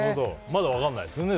まだ分からないですよね